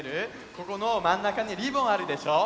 ここのまんなかにリボンあるでしょう？